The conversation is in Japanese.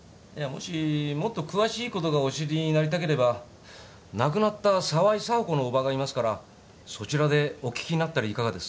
もしもっと詳しいことがお知りになりたければ亡くなった沢井紗保子の叔母がいますからそちらでお聞きになったらいかがです？